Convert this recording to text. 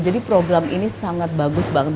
jadi program ini sangat bagus banget